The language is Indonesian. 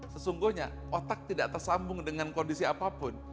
sesungguhnya otak tidak tersambung dengan kondisi apapun